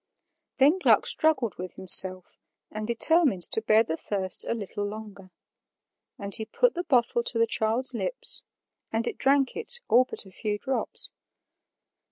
Then Gluck struggled with himself and determined to bear the thirst a little longer; and he put the bottle to the child's lips, and it drank it all but a few drops.